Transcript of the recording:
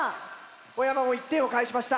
小山も１点を返しました。